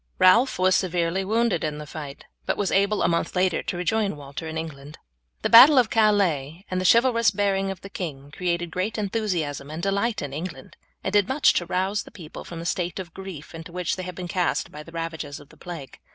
Ralph was severely wounded in the fight, but was able a month later to rejoin Walter in England. The battle of Calais and the chivalrous bearing of the king created great enthusiasm and delight in England, and did much to rouse the people from the state of grief into which they had been cast by the ravages of the plague.